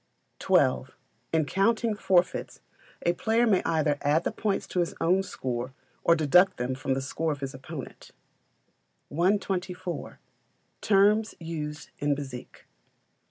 xii. In counting forfeits a player may either add the points to his own score or deduct them from the score of his opponent. 124. Terms used in Bezique.